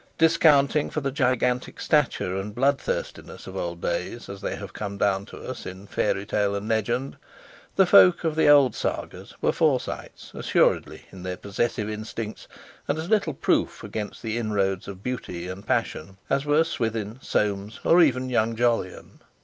Discounting for the gigantic stature and blood thirstiness of old days, as they have come down to us in fairy tale and legend, the folk of the old Sagas were Forsytes, assuredly, in their possessive instincts, and as little proof against the inroads of beauty and passion as Swithin, Soames, or even Young Jolyon.